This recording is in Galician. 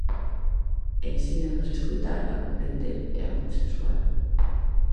Ensínanos a escoitar, a comprender e a consensuar.